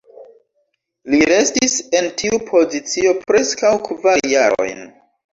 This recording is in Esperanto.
Li restis en tiu pozicio preskaŭ kvar jarojn.